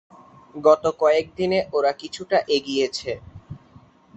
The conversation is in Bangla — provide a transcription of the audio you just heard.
গত কয়েক দিনে ওরা কিছুটা এগিয়েছে।